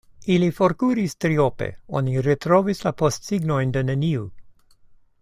Ili forkuris triope: oni retrovis la postsignojn de neniu.